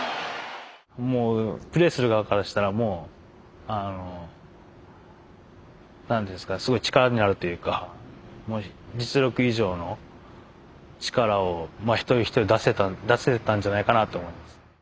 プレーする側からしたらもう何ていうんですかすごい力になるというか実力以上の力を一人一人出せてたんじゃないかなと思います。